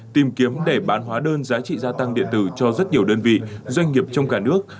tìm kiếm để bán hóa đơn giá trị gia tăng điện tử cho rất nhiều đơn vị doanh nghiệp trong cả nước